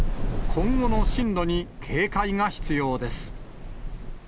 今後の進路に警戒が必要です。